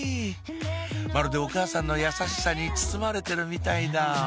まるでお母さんの優しさに包まれてるみたいだ